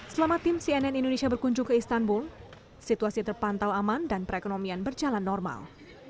selama tim cnn indonesia berkunjung ke istanbul situasi terpantau aman dan perekonomian berjalan normal